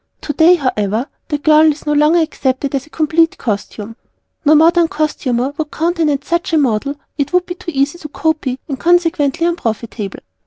Today, however, the Girdle is no longer accepted as a complete costume. No modern Costumer would countenance such a "model," it would be too easy to copy and consequently unprofitable.